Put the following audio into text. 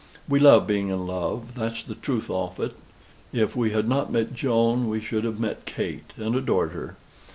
We love being in love, that's the truth on't. If we had not met Joan, we should have met Kate, and adored her.